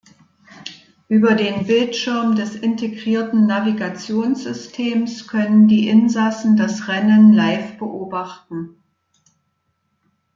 Über den Bildschirm des integrierten Navigationssystems können die Insassen das Rennen live beobachten.